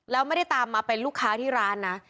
แล้วไม่ได้ตามมาเป็นลูกค้าที่ร้านนะ